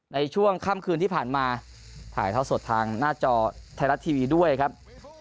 ในช่วงค่ำคืนที่ผ่านมาถ่ายเท่าสดทางหน้าจอไทยรัฐทีวีด้วยครับ